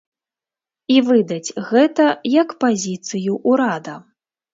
І выдаць гэта як пазіцыю ўрада.